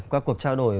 qua cuộc trao đổi